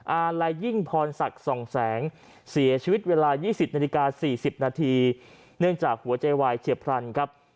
อาลัยยิ่งพรศักดิ์ส่องแสงเสียชีวิตเวลา๒๐นาฬิกา๔๐นาทีเนื่องจากหัวใจวายเฉียบพลันครับ